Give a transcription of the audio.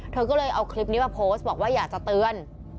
เธอก็เลยเอาคลิปนี้มาโพสต์บอกว่าอยากจะเตือน